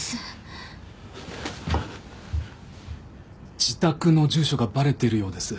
自宅の住所がバレてるようです。